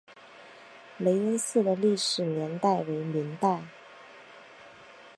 雷音寺的历史年代为明代。